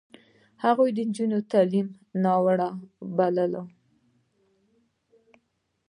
هغوی د نجونو تعلیم ناروا باله.